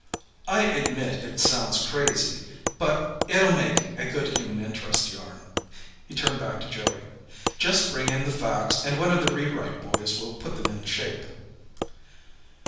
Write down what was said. "I admit it sounds crazy. But, it'll make a good human interest yarn." He turned back to Joey. "Just bring in the facts and one of the re write boys will put them in shape."